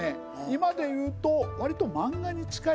今でいうとわりと。